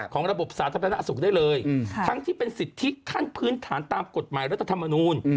ระบบสาธารณสุขได้เลยทั้งที่เป็นสิทธิขั้นพื้นฐานตามกฎหมายรัฐธรรมนูล